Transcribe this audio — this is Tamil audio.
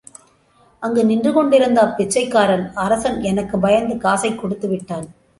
அங்கு நின்று கொண்டிருந்த அப்பிச்சைக்காரன், அரசன் எனக்குப் பயந்து காசைக் கொடுத்துவிட்டான்.